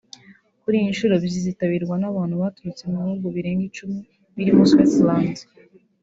kuri iyi nshuro bizitabirwa n’abantu baturutse mu bihugu birenga icumi birimo Switzerland